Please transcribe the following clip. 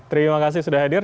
terima kasih sudah hadir